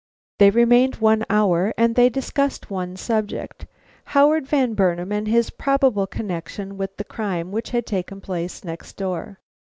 They remained one hour, and they discussed one subject: Howard Van Burnam and his probable connection with the crime which had taken place next door.